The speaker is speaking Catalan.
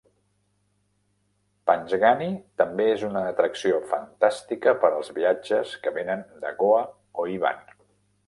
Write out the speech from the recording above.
Panchgani també és una atracció fantàstica per als viatges que venen de Goa o hi van.